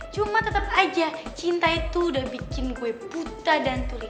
cuma tetep aja cinta itu udah bikin gue buta dan tulik